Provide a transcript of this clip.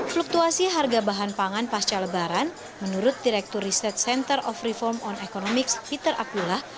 fluktuasi harga bahan pangan pasca lebaran menurut direktur research center of reform on economics peter abdullah